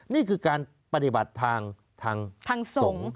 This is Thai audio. นี่คือการปฏิบัติทางสงฆ์